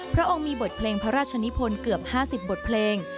พระองค์มีบทเพลงพระราชนิพลเกือบ๕๐บทเพลง